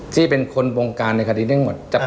ที่เป็นคนวงการในคดีนี้ทั้งหมด